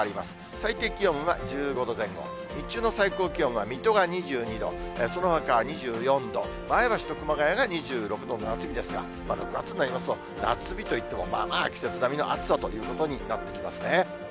最低気温は１５度前後、日中の最高気温は、水戸が２２度、そのほかは２４度、前橋と熊谷が２６度の夏日ですが、６月になりますと、夏日といっても、まあまあ季節並みの暑さということになってきますね。